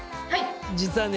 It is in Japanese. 実はね